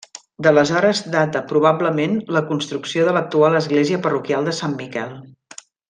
D'aleshores data probablement la construcció de l'actual església parroquial de Sant Miquel.